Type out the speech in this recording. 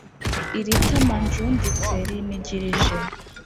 Iri tama njunditse rinigirije,